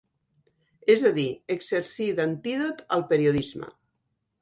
És a dir, exercir d'antídot al periodisme.